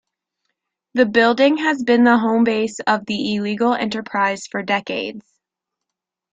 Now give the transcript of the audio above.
The building has been the home base of the illegal enterprise for decades.